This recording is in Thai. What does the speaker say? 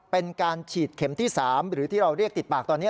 เป็นการฉีดเข็มที่๓หรือที่เราเรียกติดปากตอนนี้